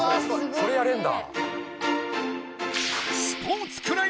それやれんだ。